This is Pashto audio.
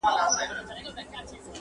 څلورم وازه خوله حیران وو هیڅ یې نه ویله٫